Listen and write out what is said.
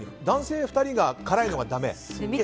男性２人が辛いのがだめ？